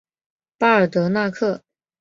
巴尔德纳克。